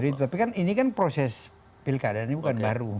tapi kan ini kan proses pilkada ini bukan baru